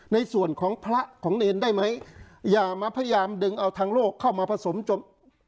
ในส่วนของพระของเนรได้ไหมอย่ามาพยายามดึงเอาทางโลกเข้ามาผสมจบ